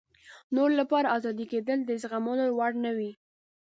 نورو لپاره ازاري کېدل د زغملو وړ نه وي.